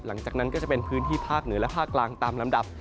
หลังจากนั้นก็จะเป็นพื้นที่ภาคเหนือและภาคกลางตามลำดับ